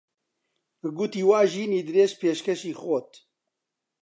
کوتی وا ژینی درێژ پێشکەشی خۆت